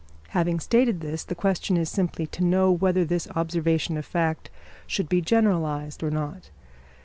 Having stated this, the question is simply to know whether this observation of fact should be generalised or not.